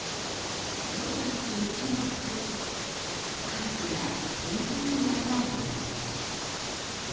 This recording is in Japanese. エントランスに注目するとカラフルな展示案内が見えます。